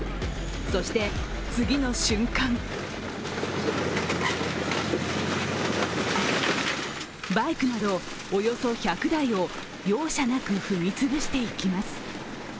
そして次の瞬間バイクなど、およそ１００台を容赦なく踏み潰していきます。